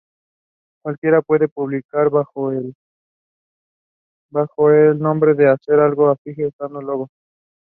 Babbitt died from the wound.